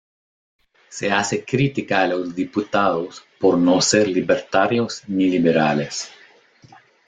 Se hace crítica a los diputados por no ser libertarios ni liberales.